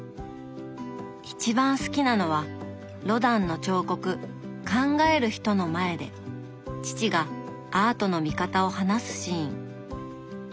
一番好きなのはロダンの彫刻「考える人」の前で父がアートの見方を話すシーン。